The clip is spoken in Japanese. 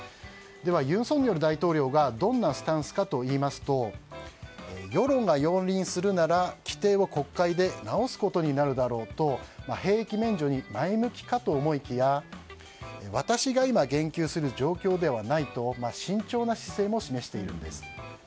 では、尹錫悦大統領がどんなスタンスかというと世論が容認するなら規定を国会で直すことになるだろうと兵役免除に前向きかと思いきや私が今、言及する状況ではないと慎重な姿勢も示しているんです。